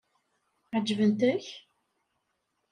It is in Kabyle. Ɛeǧbent-ak?